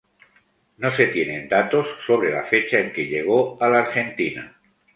No se tienen datos sobre la fecha en que llegó a la Argentina.